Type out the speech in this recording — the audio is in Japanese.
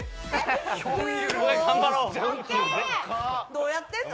どうやってんの？